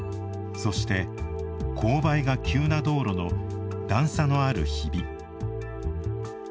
そして、勾配が急な道路の段差のある、ひび。